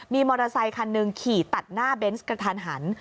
มีมอเตอร์ไซคันหนึ่งขี่ตัดหน้าเบนส์กระทันหัน